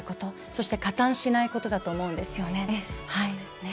そして、加担しないことだと思うんですよね。